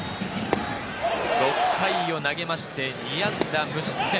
６回を投げまして２安打無失点。